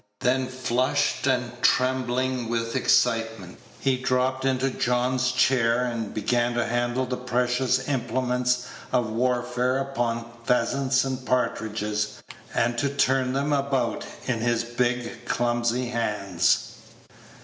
Then, flushed and trembling with excitement, he dropped into John's chair, and began to handle the precious implements of warfare upon pheasants and partridges, and to turn them about in his big, clumsy hands.